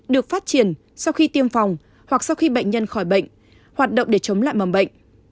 được phát triển sau khi tiêm phòng hoặc sau khi bệnh nhân khỏi bệnh hoạt động để chống lại mầm bệnh